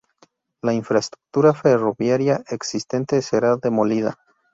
La infraestructura ferroviaria existente será demolida.